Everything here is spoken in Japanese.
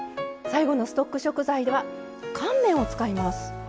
最後のストック食材は乾麺を使います。